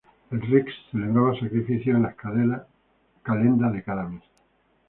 El "rex" celebraba sacrificios en las calendas de cada mes.